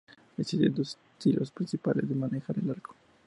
Existen dos estilos principales de manejar el arco.